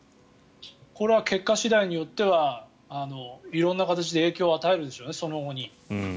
これは結果次第によっては色んな形で、その後に影響を与えるでしょうね。